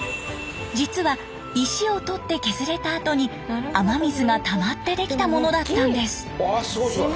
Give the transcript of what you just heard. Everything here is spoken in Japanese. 実は石を採って削れた跡に雨水がたまってできたものだったんです。